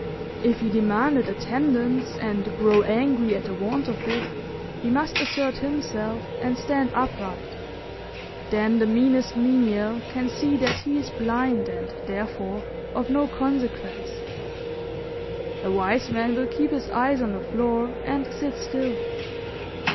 If he demand attendance and grow angry at the want of it, he must assert himself and stand upright. Then the meanest menial can see that he is blind and, therefore, of no consequence. A wise man will keep his eyes on the floor and sit still.